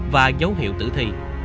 và dấu hiệu tử thi